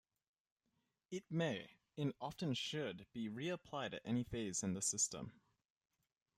It may, and often should, be re-applied at any phase in the System.